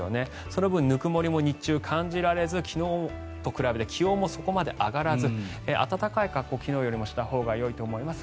その分ぬくもりも日中、感じられず昨日と比べて気温もそこまで上がらず暖かい格好を昨日よりしたほうがいいと思います。